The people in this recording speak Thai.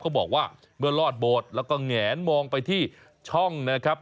บอกว่าเมื่อรอดโบสถ์แล้วก็แงนมองไปที่ช่องนะครับ